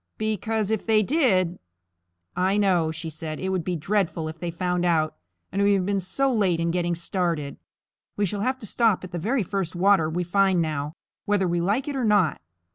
Because if they did " "I know," she said. "It would be dreadful if they found out; and we have been so late in getting started. We shall have to stop at the very first water we find now, whether we like it or not."